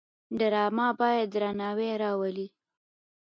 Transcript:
ډرامه باید درناوی راولي